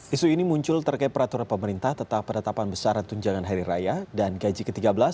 isu ini muncul terkait peraturan pemerintah tentang penetapan besar tunjangan hari raya dan gaji ke tiga belas